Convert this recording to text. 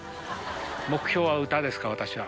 目標は歌ですから、私は。